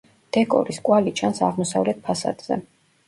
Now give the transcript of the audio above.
დეკორის კვალი ჩანს აღმოსავლეთ ფასადზე.